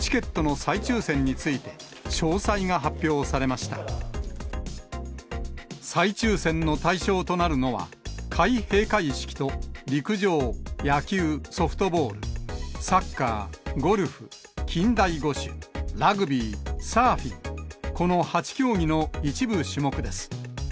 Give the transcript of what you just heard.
再抽せんの対象となるのは、開閉会式と陸上、野球・ソフトボール、サッカー、ゴルフ、近代五種、ラグビー、サーフィン、この８競技の一部種目です。